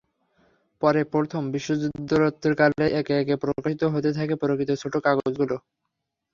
পরে প্রথম বিশ্বযুদ্ধোত্তরকালে একে একে প্রকাশিত হতে থাকে প্রকৃত ছোট কাগজগুলো।